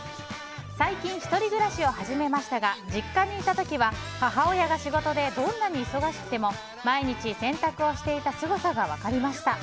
最近、１人暮らしを始めましたが実家にいた時は母親が仕事でどんなに忙しくても毎日洗濯をしていたすごさが分かりました。